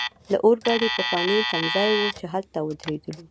د اورګاډي پخوانی تمځای وو، چې هلته ودریدلو.